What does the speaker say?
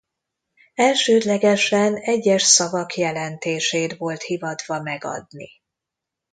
Elsődlegesen egyes szavak jelentését volt hivatva megadni.